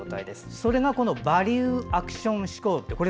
それが「バリューアクション思考」。